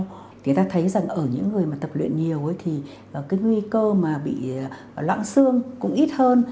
người ta thấy rằng ở những người tập luyện nhiều thì nguy cơ bị loạn xương cũng ít hơn